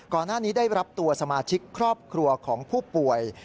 ก่อนหน้านี้ได้รับตัวสมาชิกครอบครัวของผู้ป่วย